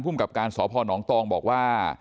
ผู้กับการสพนองตองบอกว่า